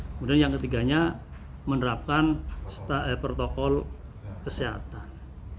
kemudian yang ketiganya menerapkan protokol kesehatan